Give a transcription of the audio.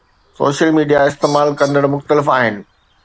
social media استعمال ڪندڙ مختلف آهن